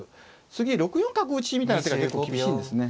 次６四角打みたいな手が結構厳しいんですね。